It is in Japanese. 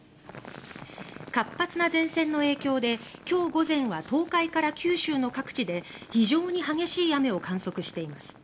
活発な前線の影響で今日午前は東海から九州の各地で非常に激しい雨を観測しています。